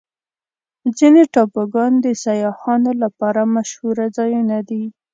ځینې ټاپوګان د سیاحانو لپاره مشهوره ځایونه دي.